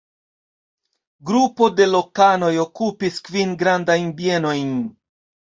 Grupo de lokanoj okupis kvin grandajn bienojn.